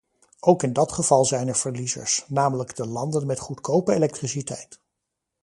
Ook in dat geval zijn er verliezers, namelijk de landen met goedkope elektriciteit.